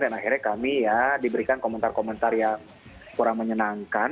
dan akhirnya kami ya diberikan komentar komentar yang kurang menyenangkan